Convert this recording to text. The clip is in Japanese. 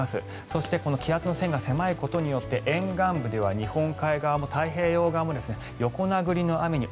そしてこの気圧の線が狭いことによって沿岸部では日本海側も太平洋側も横殴りの雨に。